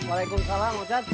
waalaikumsalam mang ocad